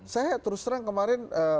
saya terus terang kemarin